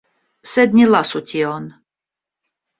Sed ni lasu tion!